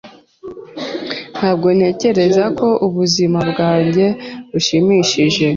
Ntabwo ntekereza ko ubuzima bwanjye bushimishije.